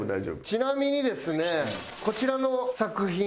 ちなみにですねこちらの作品。